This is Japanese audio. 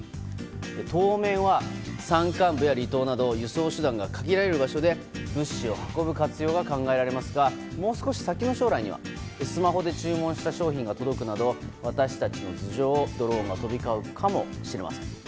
当面は、山間部や離島など輸送手段が限られる場所で物資を運ぶ活用が考えられますがもう少し先の将来にはスマホで注文した商品が届くなど私たちの頭上をドローンが飛び交うかもしれません。